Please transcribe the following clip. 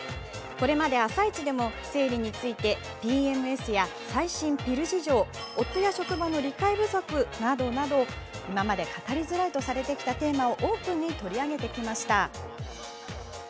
これまで「あさイチ」でも生理についてＰＭＳや、最新ピル事情夫や職場の理解不足などなど今まで語りづらいとされてきたテーマをオープンに取り上げてきました。